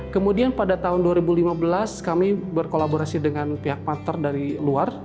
kemudian pada tahun dua ribu lima belas kami berkolaborasi dengan pihak partner dari luar